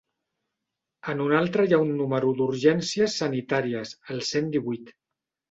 En un altre hi ha un número d'urgències sanitàries: el cent divuit.